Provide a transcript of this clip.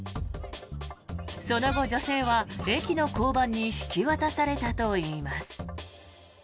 その後、女性は駅の交番に引き渡されたといいます。